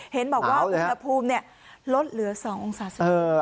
เห็นบอกว่าอุณหภูมิเนี่ยลดเหลือสององศาเซลเซส